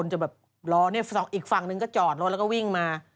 จะบวชแล้วนะอีกฝั่งหนึ่งก็จอดแล้วก็วิ่งมา